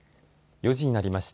４時になりました。